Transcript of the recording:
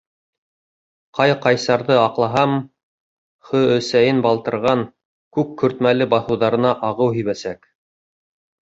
Ҡай-Ҡайсарҙы аҡлаһам, Хө-Өсәйен балтырған, күк көртмәле баҫыуҙарына ағыу һибәсәк.